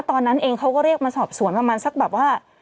ตอนนั้นเองเขาก็เรียกมาสอบสวนประมาณสักแบบว่า